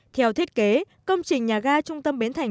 theo thiết kế công trình nhà ga trung tâm bến thành